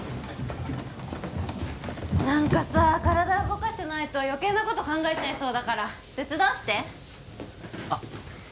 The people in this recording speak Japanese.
何かさ体動かしてないと余計なこと考えちゃいそうだから手伝わしてあっ